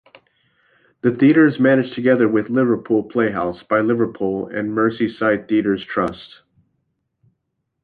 The theatre is managed together with Liverpool Playhouse by Liverpool and Merseyside Theatres Trust.